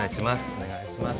おねがいします。